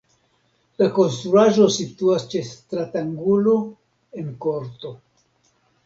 La konstruaĵo situas ĉe stratangulo en korto.